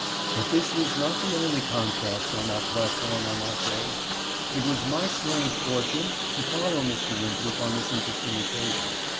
But this was not the only contrast on that platform on that day. It was my strange for tune to follow Mr. Winthrop on this interesting occasion.